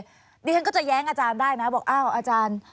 เดี๋ยวฉันก็จะแย้งอาจารย์ได้นะบอกอ้าวอาจารย์